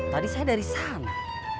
tadi saya dari sana